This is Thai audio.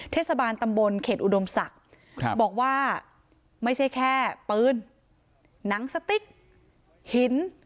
เทศบาลตำบลเขตอุดมศักดิ์บอกว่าไม่ใช่แค่ปืนหนังสติ๊กหิน